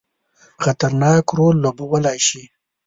خطرناک رول لوبولای شي.